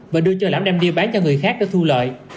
và đưa cho lãm đem đi bán cho người khác để thu lợi